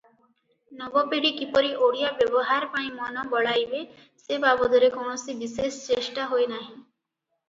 ନବପିଢ଼ି କିପରି ଓଡ଼ିଆ ବ୍ୟବହାର ପାଇଁ ମନ ବଳାଇବେ ସେ ବାବଦରେ କୌଣସି ବିଶେଷ ଚେଷ୍ଟା ହୋଇନାହିଁ ।